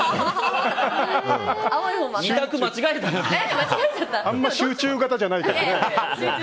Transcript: あんま集中型じゃない。